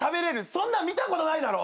そんなん見たことないだろ？